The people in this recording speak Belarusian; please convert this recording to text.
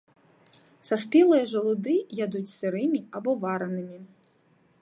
Саспелыя жалуды ядуць сырымі або варанымі.